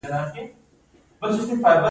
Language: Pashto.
ایا زه باید په کراره ډوډۍ وخورم؟